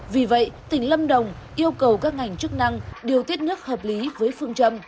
vì vậy tỉnh lâm đồng yêu cầu các ngành chức năng điều tiết nước hợp lý với phương châm